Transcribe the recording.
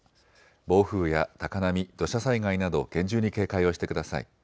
暴風や高波、土砂災害など厳重に警戒をしてください。